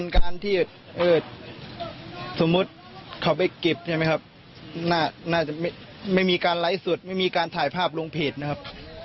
เขาไปเก็บหน่อยไหมครับไม่มีการไลฟ์สุดไม่มีการถ่ายภาพลงเวทนะครับ